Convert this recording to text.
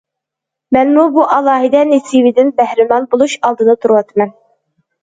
مەنمۇ بۇ ئالاھىدە نېسىۋىدىن بەھرىمەن بولۇش ئالدىدا تۇرۇۋاتىمەن.